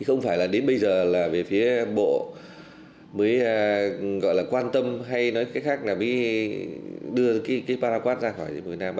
không phải đến bây giờ là phía bộ mới quan tâm hay nói cách khác là mới đưa paraquat ra khỏi việt nam